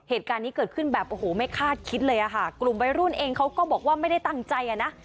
เหตุการณ์นี้เกิดขึ้นแบบโอ้โหไม่คาดคิดเลยอะค่ะกลุ่มวัยรุ่นเองเขาก็บอกว่าไม่ได้ตั้งใจอ่ะนะ